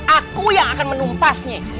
aku yang akan menumpasnya